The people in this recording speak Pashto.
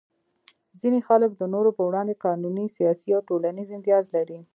ځینې خلک د نورو په وړاندې قانوني، سیاسي یا ټولنیز امتیاز لري.